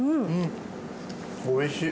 おいしい。